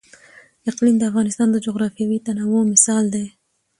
اقلیم د افغانستان د جغرافیوي تنوع مثال دی.